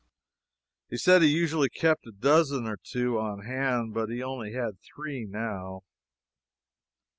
He said he usually kept a dozen or two on hand, but he only had three now.